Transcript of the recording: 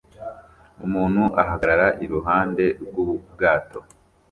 Umuntu ahagarara iruhande rw'ubwato